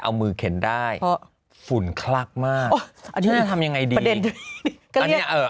เอามือเข็นได้เพราะฝุ่นคลักมากอันนี้จะทำยังไงดีประเด็นอันเนี้ยเอ่อ